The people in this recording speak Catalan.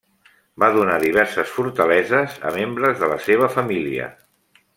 Va donar diverses fortaleses a membres de la seva família.